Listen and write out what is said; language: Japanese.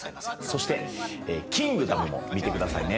そして『キングダム』も見てくださいね。